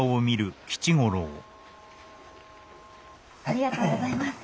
ありがとうございます。